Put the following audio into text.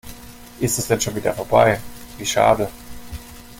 Ist es denn schon wieder vorbei, wie schade.